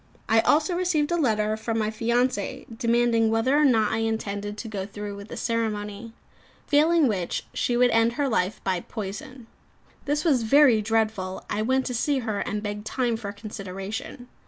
I also received a letter from my fiancée, demanding whether or not I intended to go through the ceremony; failing which she would end her life by poison. This was very dreadful; I went to see her, and begged time for consideration.